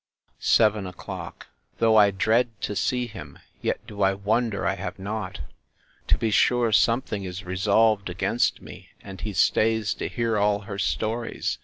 Seven o'clock. Though I dread to see him, yet do I wonder I have not. To be sure something is resolved against me, and he stays to hear all her stories.